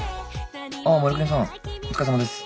ああ護国さんお疲れさまです。